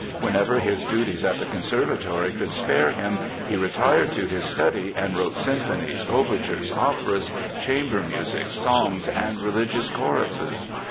Whenever his duties at the Conservatory could spare him, he retired to his study and wrote symphonies, overtures, operas, chamber music, songs, and religious choruses.